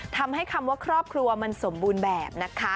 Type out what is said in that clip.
ทำให้คำว่าครอบครัวมันสมบูรณ์แบบนะคะ